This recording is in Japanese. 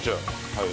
はい。